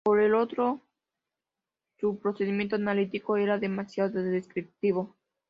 Por el otro, su procedimiento analítico era demasiado descriptivo.